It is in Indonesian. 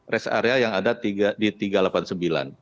rest area yang ada di tiga ratus delapan puluh sembilan